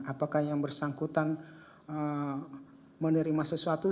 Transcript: apakah yang bersangkutan menerima sesuatu